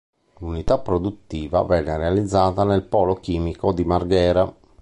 L'unità produttiva venne realizzata nel polo chimico di Marghera.